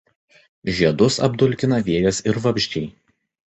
Žiedus apdulkina vėjas ir vabzdžiai.